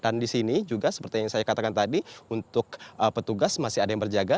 dan disini juga seperti yang saya katakan tadi untuk petugas masih ada yang berjaga